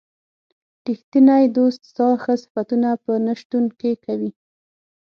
ریښتینی دوست ستا ښه صفتونه په نه شتون کې کوي.